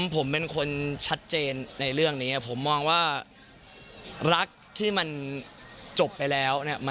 ผมเป็นคนชัดเจนในเรื่องนี้ผมมองว่ารักที่มันจบไปแล้วเนี่ย